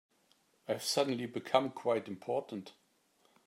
I've suddenly become quite important.